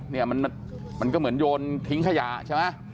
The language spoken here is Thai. เนี่ยมันก็เหมือนโยนทิ้งขยะใช่ไหม